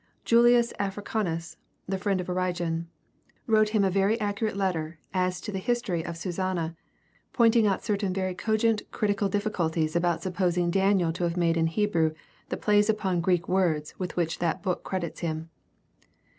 Julius Africanus, the friend of Origen, wrote him a very acute letter as to the History of Susanna, pointing out certain very cogent critical difficulties about supposing Daniel to have made in Hebrew the plays upon Greek words with which that book credits him.